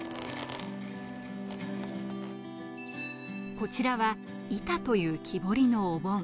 こちらはイタという木彫りのお盆。